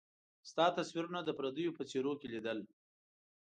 ستا تصويرونه د پرديو په څيرو کي ليدل